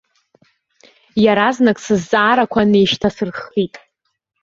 Иаразнак сызҵаарақәа неишьҭасырххит.